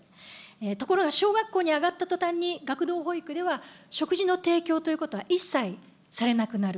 ところが小学校に上がったとたんに、学童保育では、食事の提供ということは一切されなくなる。